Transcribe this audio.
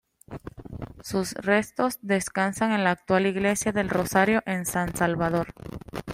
Sus restos descansan en la actual Iglesia del Rosario en San Salvador.